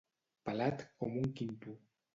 Pelat com un quinto.